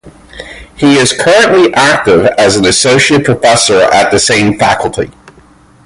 He is currently active as an associate professor at the same faculty.